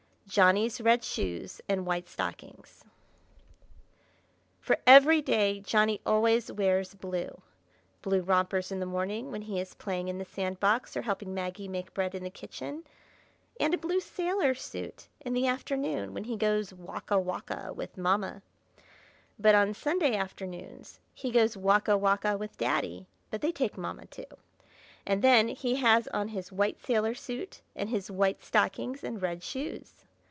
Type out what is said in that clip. JOHNNY'S RED SHOES AND WHITE STOCKINGS For every day, Johnny always wears blue; blue rompers in the morning, when he is playing in the sand box or helping Maggie make bread in the kitchen, and a blue sailor suit in the afternoon, when he goes "walk a walk a" with Mamma. But on Sunday afternoon he goes walk a walk a with Daddy (but they take Mamma too!), and then he has on his white sailor suit, and his white stockings and red shoes.